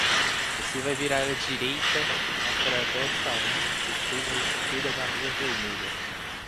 Você vai virar à direita, na Travessa um, depois à esquerda na Rua Vermelha.